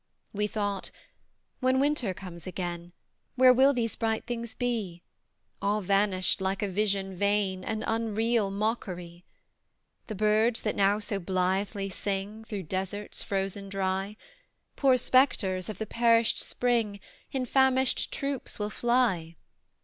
We thought, "When winter comes again, Where will these bright things be? All vanished, like a vision vain, An unreal mockery! "The birds that now so blithely sing, Through deserts, frozen dry, Poor spectres of the perished spring, In famished troops will fly.